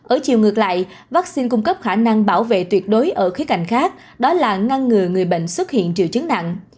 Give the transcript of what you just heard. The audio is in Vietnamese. ở chiều ngược lại vaccine cung cấp khả năng bảo vệ tuyệt đối ở khía cạnh khác đó là ngăn ngừa người bệnh xuất hiện triệu chứng nặng